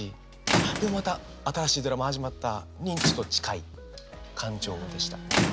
あっでもまた新しいドラマ始まったにちょっと近い感情でした。